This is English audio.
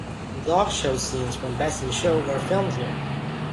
The dog show scenes from "Best in Show" were filmed here.